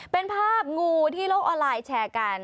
เป็นภาพงูที่โลกออนไลน์แชร์กัน